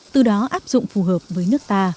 từ đó áp dụng phù hợp với nước ta